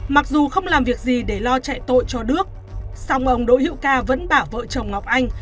mặc dù không làm việc gì để lo chạy tội cho đước song ông đỗ hữu ca vẫn bảo vợ chồng ngọc anh